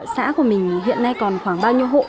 xã của mình hiện nay còn khoảng bao nhiêu hộ